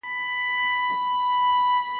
چي له سر څخه د چا عقل پردی سي !.